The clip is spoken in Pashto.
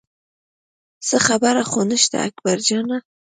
څه خبره خو نه شته اکبر جانه.